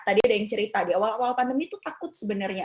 tadi ada yang cerita di awal awal pandemi tuh takut sebenarnya